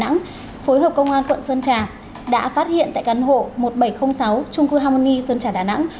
tổ công tác phối hợp công an tp sơn trà đã phát hiện tại căn hộ một nghìn bảy trăm linh sáu chung cư harmony sơn trà đà nẵng